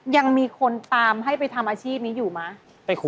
ยังมีคนตามให้ไปทำอาชีพอยู่มา